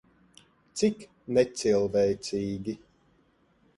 Cik necilvēcīgi.